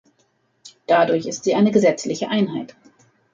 Dadurch ist sie eine gesetzliche Einheit.